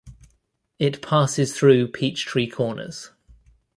It passes through Peachtree Corners.